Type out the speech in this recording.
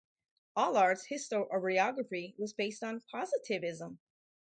Aulard's historiography was based on positivism.